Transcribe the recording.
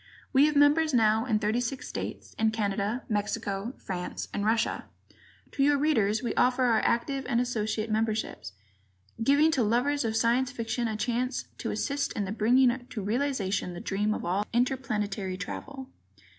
We have members now in thirty six states, in Canada, Mexico, France and Russia. To your readers we offer our active and associate memberships, giving to lovers of Science Fiction a chance to assist in the bringing to realization the dream of all interplanetary travel.